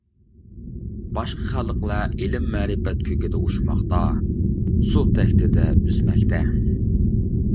باشقا خەلقلەر ئىلىم-مەرىپەت كۆكىدە ئۇچماقتا، سۇ تەكتىدە ئۈزمەكتە.